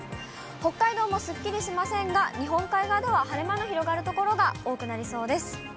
北海道もすっきりしませんが、日本海側では晴れ間の広がる所が多くなりそうです。